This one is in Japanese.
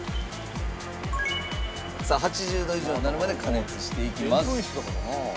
さあ８０度以上になるまで加熱していきます。